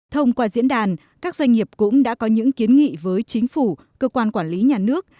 thông qua diễn đàn các doanh nghiệp cũng đã có những kiến nghị với chính phủ cơ quan quản lý nhà nước